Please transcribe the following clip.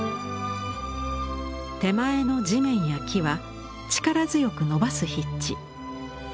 手前の地面や木は力強く伸ばす筆致。